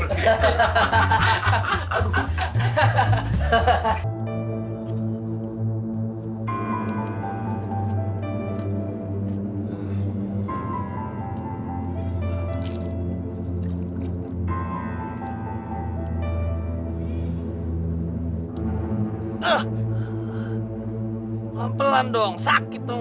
pelan pelan dong sakit dong